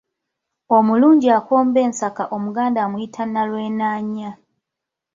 Omulungi akomba ensaka omuganda amuyita Nnalwenaanya.